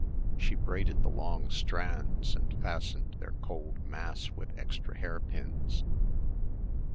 She braided the long strands and fastened their cold mass with extra hairpins.